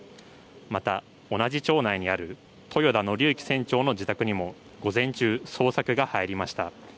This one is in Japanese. また同じ町内にある豊田徳幸船長の自宅にも午前中、捜索が入りました。